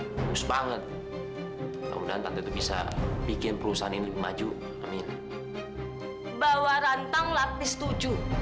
terus banget udah bisa bikin perusahaan ini maju amin bawah rantang latih setuju